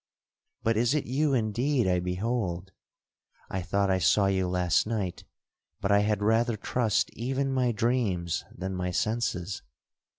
But is it you indeed I behold? I thought I saw you last night, but I had rather trust even my dreams than my senses.